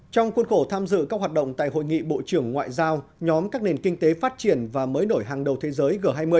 trong khuôn khổ tham dự các hoạt động tại hội nghị bộ trưởng ngoại giao nhóm các nền kinh tế phát triển và mới nổi hàng đầu thế giới g hai mươi